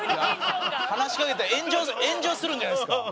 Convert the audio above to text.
話しかけたら炎上するんじゃないですか？